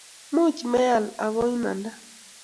much meyal aku imanda